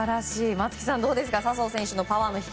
松木さんどうですか。